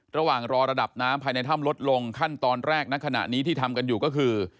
ระหว่างรอระดับน้ำภายในถ้ำลดลงขั้นตอนแรกณขณะนี้ที่ทำกันอยู่ก็คือ